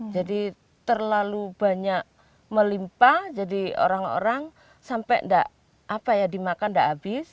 jadi terlalu banyak melimpa jadi orang orang sampai tidak apa ya dimakan tidak habis